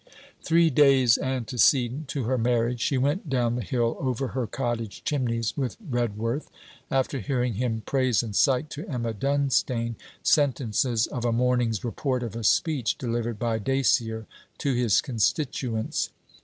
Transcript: Three days antecedent to her marriage, she went down the hill over her cottage chimneys with Redworth, after hearing him praise and cite to Emma Dunstane sentences of a morning's report of a speech delivered by Dacier to his constituents.